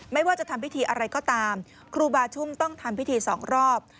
ไม่ว่าจะทำพิธีอะไรก็ตามครูบาชุ่มต้องทำพิธีสองรอบ